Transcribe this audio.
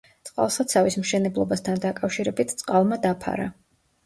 წყალსაცავის მშენებლობასთან დაკავშირებით წყალმა დაფარა.